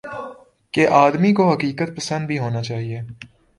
کہ آدمی کو حقیقت پسند بھی ہونا چاہیے۔